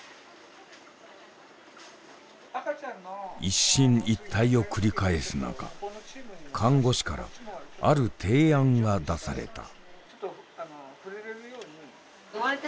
一進一退を繰り返す中看護師からある提案が出された。